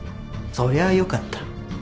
そりゃよかった。